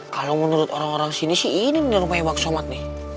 kalau menurut orang orang sini sih ini rumah yang bagus sobat nih